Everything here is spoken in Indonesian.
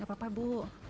gak apa apa bu